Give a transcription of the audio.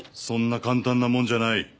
そんな簡単なもんじゃない。